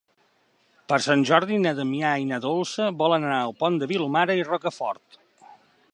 Per Sant Jordi na Damià i na Dolça volen anar al Pont de Vilomara i Rocafort.